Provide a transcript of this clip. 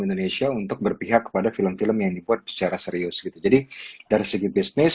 indonesia untuk berpihak kepada film film yang dibuat secara serius gitu jadi dari segi bisnis